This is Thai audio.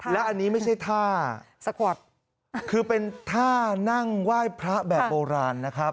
และอันนี้ไม่ใช่ท่าสะกวัดคือเป็นท่านั่งไหว้พระแบบโบราณนะครับ